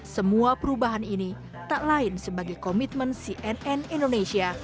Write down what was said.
semua perubahan ini tak lain sebagai komitmen cnn indonesia